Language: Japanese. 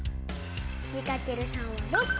２かける３は６こ。